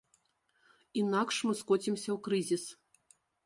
Інакш мы скоцімся ў крызіс.